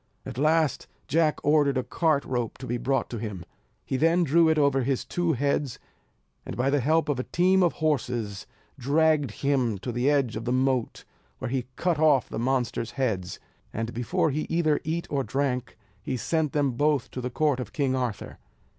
At last Jack ordered a cart rope to be brought to him. He then drew it over his two heads, and by the help of a team of horses, dragged him to the edge of the moat, where he cut off the monster's heads; and before he either eat or drank, he sent them both to the court of King Arthur.